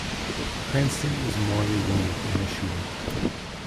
Cranston is mortally wounded in a shootout.